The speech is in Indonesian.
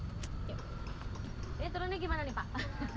ini turunnya gimana nih pak